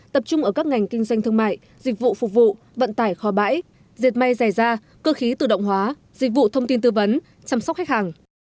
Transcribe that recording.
tập trung ở các ngành kinh doanh thương mại dịch vụ phục vụ vận tải kho bãi diệt may rẻ ra cơ khí tự động hóa dịch vụ thông tin tư vấn chăm sóc khách hàng